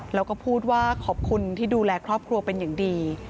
แล้วก็พูดว่าขอบคุณที่ดูแลครอบครัวเป็นอย่างดี